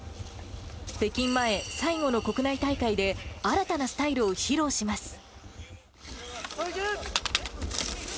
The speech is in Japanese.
北京前、最後の国内大会で、新たなスタイルを披露します。